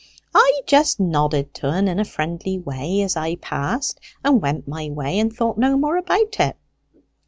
I jist nodded to en in a friendly way as I passed, and went my way, and thought no more about it.